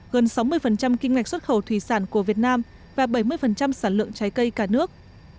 gần sáu mươi kim ngạch xuất khẩu thủy sản của việt nam và bảy mươi sản lượng trái cây cả nước